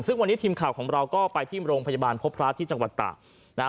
ซึ่งวันนี้ทีมข่าวของเราก็ไปที่โรงพยาบาลพบพระที่จังหวัดตากนะฮะ